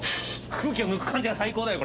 空気を抜く感じが最高だよ